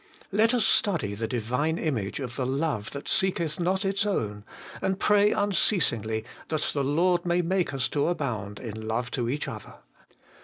Let us study the Divine image of the love that seeketh not its own, and pray unceasingly that the Lord may make us to abound in love to each other.